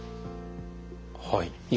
はい。